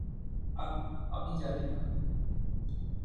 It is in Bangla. আহ, আমি জানি না।